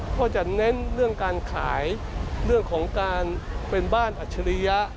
ก็จะเน้นเรื่องการขายเรื่องของการเป็นบ้านอัจฉริยะ